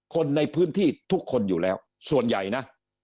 คนในพื้นที่ทุกคนอยู่แล้วส่วนใหญ่นะ